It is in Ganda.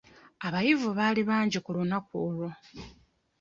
Abayivu baali bangi ku lunaku olwo.